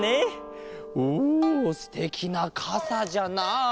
おすてきなかさじゃなあ。